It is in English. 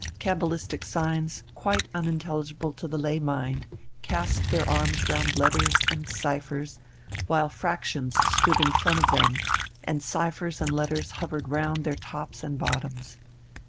Cabalistic signs, quite unintelligible to the lay mind, cast their arms round letters and ciphers, while fractions stood in front of them and ciphers and letters hovered round their tops and bottoms.